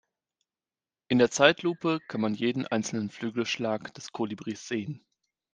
In der Zeitlupe kann man jeden einzelnen Flügelschlag des Kolibris sehen.